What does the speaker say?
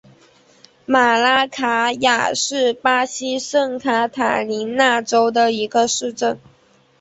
马拉卡雅是巴西圣卡塔琳娜州的一个市镇。